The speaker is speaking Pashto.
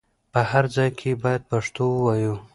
په هر ځای کې بايد پښتو ووايو.